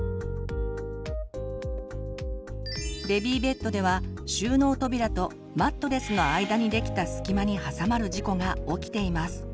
ベビーベッドでは収納扉とマットレスの間にできた隙間に挟まる事故が起きています。